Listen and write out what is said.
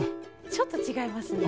ちょっとちがいますね。